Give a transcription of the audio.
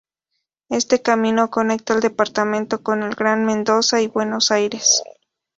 Este camino conecta al departamento con el Gran Mendoza y Buenos Aires.